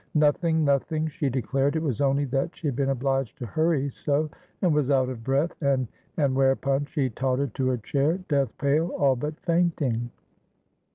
Nothing, nothingshe declared. It was only that she had been obliged to hurry so, and was out of breath, andand. Whereupon she tottered to a chair, death pale, all but fainting.